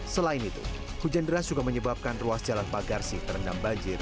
selain itu hujan deras juga menyebabkan ruas jalan pagarsi terendam banjir